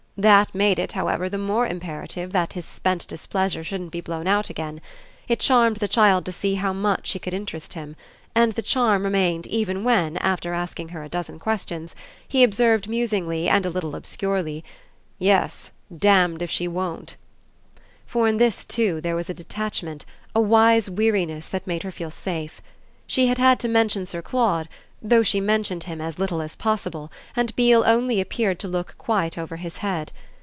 That made it, however, the more imperative that his spent displeasure shouldn't be blown out again. It charmed the child to see how much she could interest him; and the charm remained even when, after asking her a dozen questions, he observed musingly and a little obscurely: "Yes, damned if she won't!" For in this too there was a detachment, a wise weariness that made her feel safe. She had had to mention Sir Claude, though she mentioned him as little as possible and Beale only appeared to look quite over his head.